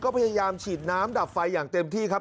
ก็พยายามฉีดน้ำดับไฟอย่างเต็มที่ครับ